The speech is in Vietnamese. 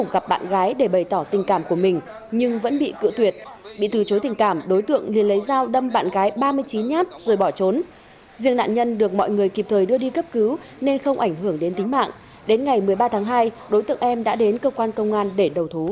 các bạn hãy đăng ký kênh để ủng hộ kênh của chúng mình nhé